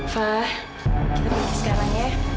fa kita pergi sekarang ya